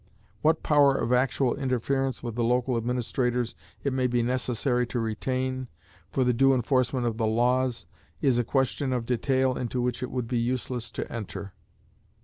What power of actual interference with the local administrators it may be necessary to retain, for the due enforcement of the laws, is a question of detail into which it would be useless to enter.